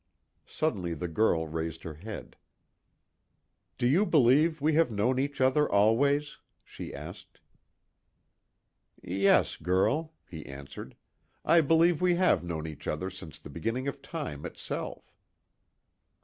Suddenly the girl raised her head: "Do you believe we have known each other always?" she asked. "Yes, girl," he answered, "I believe we have known each other since the beginning of time itself."